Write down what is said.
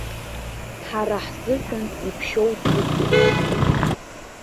Ҳара ҳзыҳәан иԥшьоу ҭыԥуп.